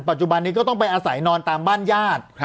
จุบันนี้ก็ต้องไปอาศัยนอนตามบ้านญาติ